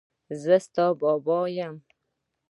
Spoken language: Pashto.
زه ستا بابا یم.